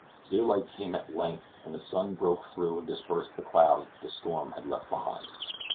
Daylight came at length, and the sun broke through and dispersed the clouds that the storm had left behind.